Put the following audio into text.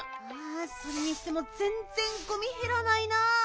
それにしてもぜんぜんごみへらないな。